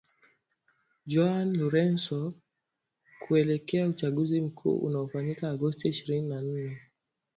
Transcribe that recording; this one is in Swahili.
Joao Lourenco kuelekea uchaguzi mkuu unaofanyika Agosti ishirini na nne